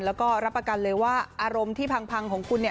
แล้วก็รับประกันเลยว่าอารมณ์ที่พังของคุณ